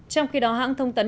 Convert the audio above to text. trong khi đó hãng thông tấn